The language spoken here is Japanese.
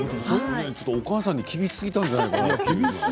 ちょっとお母さんに厳しすぎじゃない？